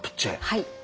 はい。